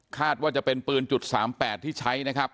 คาดว่าจะเป็นปืนจุดสามแปดที่ใช้นะครับ